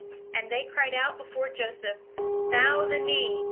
And they cried out before Joseph, "Bow the knee."